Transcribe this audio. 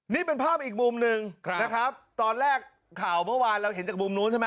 นี่เป็นภาพอีกมุมหนึ่งนะครับตอนแรกข่าวเมื่อวานเราเห็นจากมุมนู้นใช่ไหม